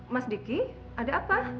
mas diki ade apa